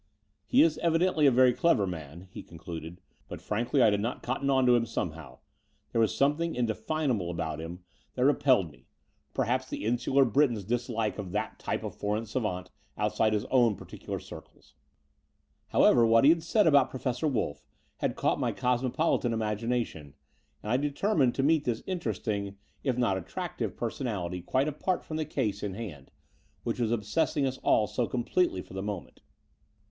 He is evidently a very clever man," he concluded; "but frankly I did not cotton on to him somehow. There was something indefinable about him that repelled 94 The Door off the Unreal me— perhaps the insular Briton's dislike of that type of foreign savant outside his own particular circles." However, what he had said about Professor Wolff had caught my cosmopolitan imagination; and I determined to meet this interesting, if not attractive, personality quite apart from the case in hand, which was obsessing us all so completely for the moment.